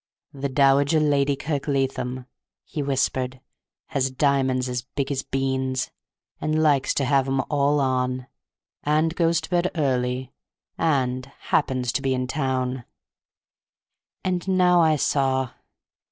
"The Dowager Lady Kirkleatham," he whispered, "has diamonds as big as beans, and likes to have 'em all on—and goes to bed early—and happens to be in town!" And now I saw.